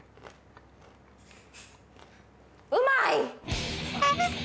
うまい！